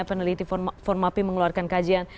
peneliti formapi mengeluarkan kajian